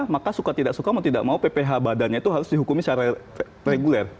maka suka tidak suka mau tidak mau pph badannya itu harus dihukumi secara reguler